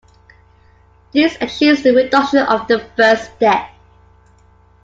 This achieves the reduction of the first step.